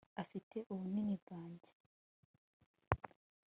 afite ubunini bwanjye